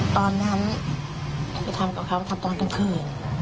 ตอนนั้นไปทำกับเขาทำตอนกลางคืน